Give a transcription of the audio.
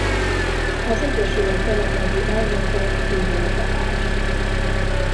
Az egyesület jelenlegi elnöke Biró Balázs.